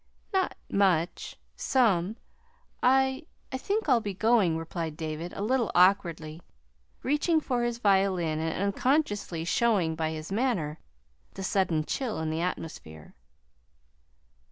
"Not much some. I I think I'll be going," replied David, a little awkwardly, reaching for his violin, and unconsciously showing by his manner the sudden chill in the atmosphere.